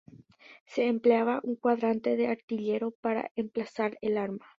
Se empleaba un cuadrante de artillero para emplazar el arma.